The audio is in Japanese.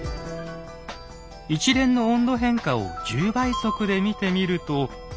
一連の温度変化を１０倍速で見てみると。